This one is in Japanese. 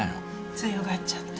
強がっちゃって。